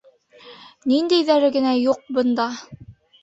Ниндәйҙәре генә юҡ бында!